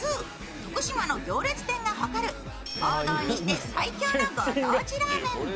福島の行列店が誇る王道にして最強のご当地ラーメン。